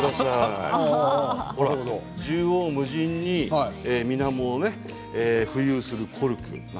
縦横無尽にみなもを浮遊するコルク。